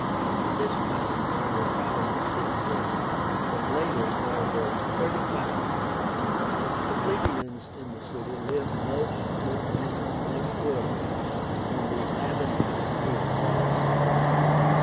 At this time there were probably sixteen, but later there were thirty five. The plebeians in the city lived mostly in one quarter, on the Aventine Hill.)